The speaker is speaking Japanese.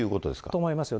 そう思いますよ。